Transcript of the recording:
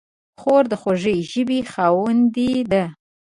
خور د خوږې ژبې خاوندې ده.